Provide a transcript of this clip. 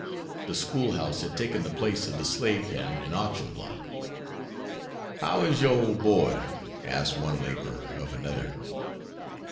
The school house had taken the place of the slave pen and auction block. "How is yer, ole boy?" asked one laborer of another.